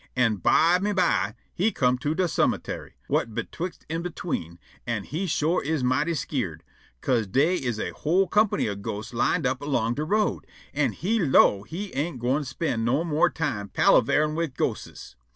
An' byme by he come' to de cemuntary whut betwixt an' between, an' he shore is mighty skeered, 'ca'se dey is a whole comp'ny of ghostes lined up along de road, an' he 'low' he ain't gwine spind no more time palaverin' wid ghostes.